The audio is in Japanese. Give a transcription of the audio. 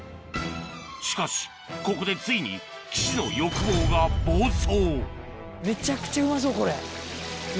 しかしここでついに岸の欲望が暴走！